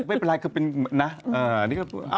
ไม่เป็นไรก็เป็นนะนี่ก็